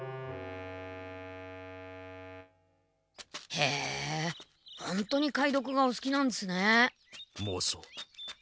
へえほんとに解読がおすきなんですね。